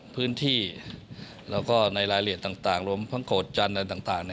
พื้นที่แล้วก็ในรายละเอียดต่างรวมพระโกธิ์จันทร์และต่าง